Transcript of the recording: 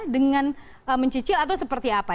dengan mencicil atau seperti apa